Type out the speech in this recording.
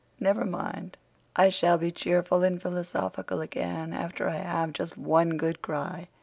Never mind! I shall be cheerful and philosophical again after I have just one good cry.